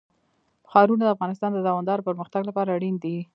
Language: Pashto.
ښارونه د افغانستان د دوامداره پرمختګ لپاره اړین دي.